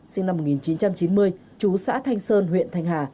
sinh năm một nghìn chín trăm chín mươi chú xã thanh sơn huyện thanh hà